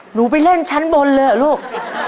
หนูไปเล่นชั้นบนเลยเหรอลูก